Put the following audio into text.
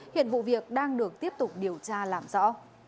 hiện vụ việc đang được tiếp tục điều tra làm rõ